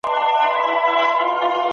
ولسي جرګه به د ملي شتمنيو ساتنه وکړي.